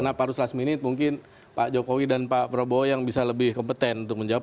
kenapa harus last minute mungkin pak jokowi dan pak prabowo yang bisa lebih kompeten untuk menjawab